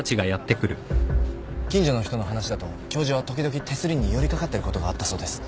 近所の人の話だと教授は時々手すりに寄り掛かってることがあったそうです。